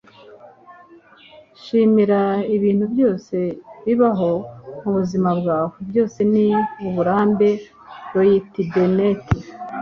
shimira ibintu byose bibaho mubuzima bwawe; byose ni uburambe. - roy t. bennett